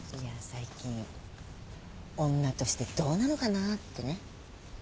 最近女としてどうなのかなってね。